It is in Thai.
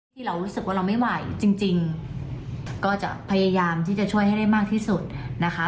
ที่เรารู้สึกว่าเราไม่ไหวจริงก็จะพยายามที่จะช่วยให้ได้มากที่สุดนะคะ